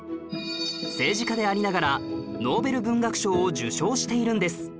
政治家でありながらノーベル文学賞を受賞しているんです